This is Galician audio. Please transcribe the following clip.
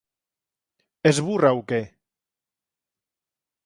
Es burra ou que?